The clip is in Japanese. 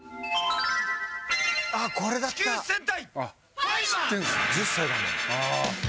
あっこれだった！